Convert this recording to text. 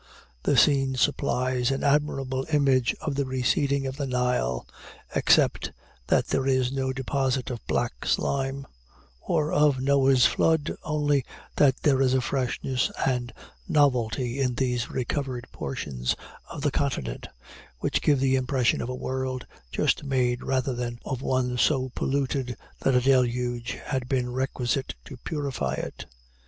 The scene supplies an admirable image of the receding of the Nile except that there is no deposit of black slime or of Noah's flood, only that there is a freshness and novelty in these recovered portions of the continent which give the impression of a world just made rather than of one so polluted that a deluge had been requisite to purify it.